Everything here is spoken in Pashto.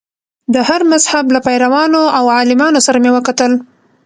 د هر مذهب له پیروانو او عالمانو سره مې وکتل.